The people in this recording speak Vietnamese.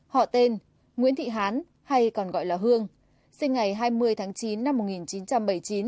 họ tên nguyễn thị hán hay còn gọi là hương sinh ngày hai mươi tháng chín năm một nghìn chín trăm bảy mươi chín